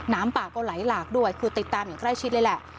น้ำป่าก็ไหลหลากด้วยคือติดตามอย่างใกล้ชิดเลยแหละ